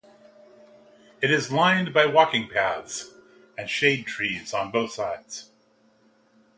It is lined by walking paths and shade trees on both sides.